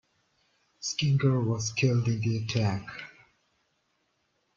Skinker was killed in the attack.